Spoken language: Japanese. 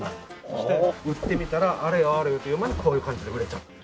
そして売ってみたらあれよあれよという間にこういう感じで売れた。